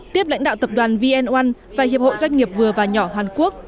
tiếp lãnh đạo tập đoàn vn oan và hiệp hội doanh nghiệp vừa và nhỏ hàn quốc